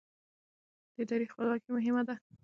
د ادارو خپلواکي مهمه ده